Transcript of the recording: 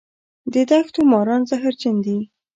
د دښتو ماران زهرجن دي